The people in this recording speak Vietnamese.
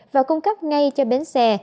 và cung cấp ngay cho bến xe